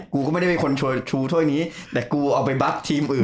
กูก็ไม่ได้เป็นคนชูถ้วยนี้แต่กูเอาไปบั๊กทีมอื่น